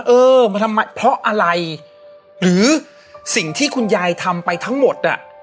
เออมันทำไมเพราะอะไรหรือสิ่งที่คุณยายทำไปทั้งหมดอ่ะ